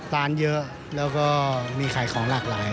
ร้านเยอะแล้วก็มีขายของหลากหลาย